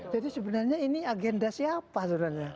jadi sebenarnya ini agenda siapa sebenarnya